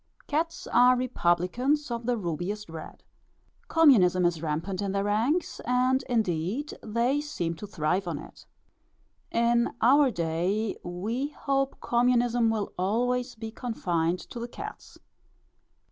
Cats are republicans of the rubiest red. Communism is rampant in their ranks; and indeed, they seem to thrive on it. In our day, we hope communism will always be confined to the cats.